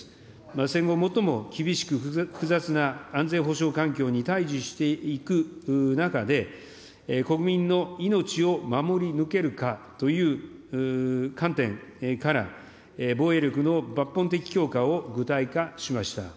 戦後最も厳しく複雑な安全保障環境に対じしていく中で、国民の命を守り抜けるかという観点から、防衛力の抜本的強化を具体化しました。